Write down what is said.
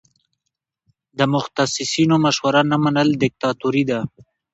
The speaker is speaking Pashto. د متخصصینو مشوره نه منل دیکتاتوري ده.